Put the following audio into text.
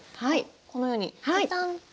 このようにペタン。